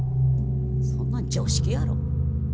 そんなん常識やろ。